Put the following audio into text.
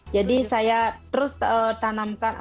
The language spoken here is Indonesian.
jadi saya tidak akan melakukan apa apa